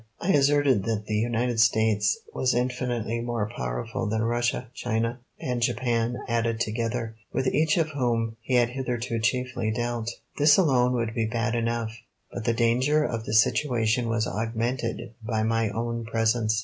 I asserted that the United States was infinitely more powerful than Russia, China, and Japan added together, with each of whom he had hitherto chiefly dealt. This alone would be bad enough, but the danger of the situation was augmented by my own presence.